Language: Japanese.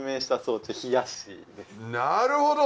なるほど。